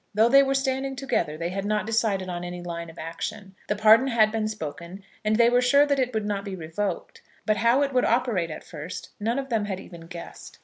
Though they were standing together they had not decided on any line of action. The pardon had been spoken and they were sure that it would not be revoked; but how it would operate at first none of them had even guessed.